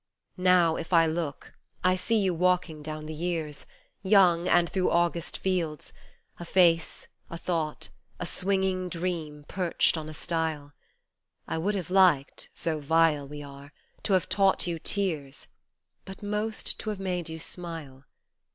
Now, if I look, I see you walking down the years, Young, and through August fields a face, a thought, a swinging dream perched on a stile ; I would have liked (so vile we are !) to have taught you tears But most to have made you smile.